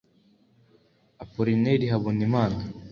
Apollinaire Habonimana